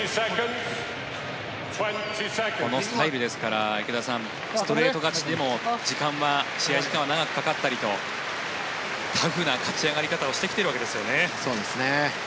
このスタイルですから池田さん、ストレート勝ちでも試合時間は長くかかったりとタフな勝ち上がり方をしてきているわけですよね。